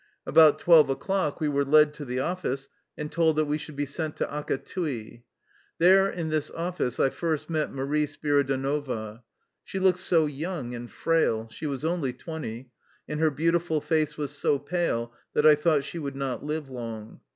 About twelve o'clock we were led to the office and told that we should be sent to Akattii. There, in this office, I first met Marie Spiridonova. She looked so young and frail, — she was only twenty — and her beautiful face was so pale that I thought she would not live long.